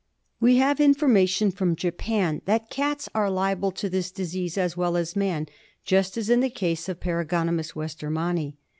We have information from Japan that cats are liable to this parasite as well as man, just as in the case of Para^onimus westermanni.